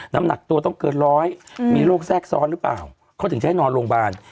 น้ำหนักตัวต้องเกินร้อยมีโรคแทรกซ้อนหรือเปล่าเขาถึงจะให้นอนโรงพยาบาล